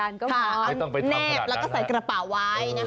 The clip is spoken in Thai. แนบแล้วก็ใส่กระปะไว้